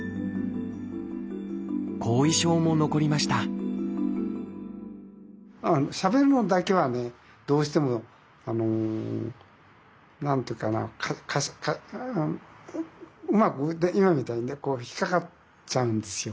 後遺症も残りましたしゃべるのだけはねどうしても何ていうかなかかすかうまく今みたいにね引っ掛かっちゃうんですよ。